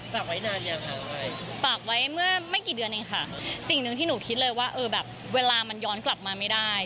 ฝากไว้นานยังค่ะฝากไว้เมื่อไม่กี่เดือนเองค่ะสิ่งหนึ่งที่หนูคิดเลยว่าเออแบบเวลามันย้อนกลับมาไม่ได้